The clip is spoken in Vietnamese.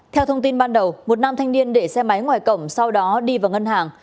theo thông tin ban đầu một nam thanh niên để xe máy ngoài cổng sau đó đi vào ngân hàng